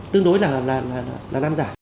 tương đối là nam giải